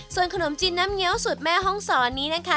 ส่วนขนมจีนน้ำเงี้ยวสูตรแม่ห้องศรนี้นะคะ